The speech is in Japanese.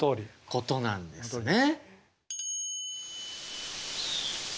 ことなんですね。